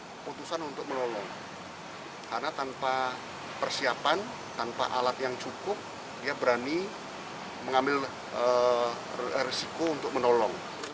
kepala dinas kesehatan kuarmada ii kolonel laut tirka mengatakan atas prestasinya bidan siti indriani yang saat ini menjadi pegawai harian lepas diprioritaskan diangkat sebagai aparatur sipil negara